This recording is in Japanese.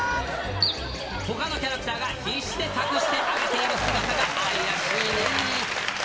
ほかのキャラクターが必死で隠してあげている姿が愛らしいね。